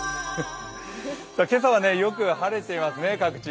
今朝はよく晴れていますね、各地。